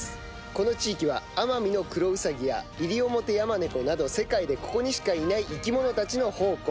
この地域はアマミノクロウサギやイリオモテヤマネコなど世界でここにしかいない生き物たちの宝庫！